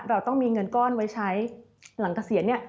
เราต้องมีเงินก้อนไว้ใช้หลังเกษียณเนี่ย